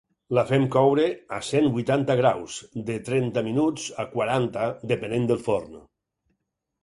La fem coure a cent vuitanta graus, de trenta minuts a quaranta, depenent del forn.